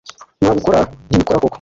Ntabwo ukora, ntubikora koko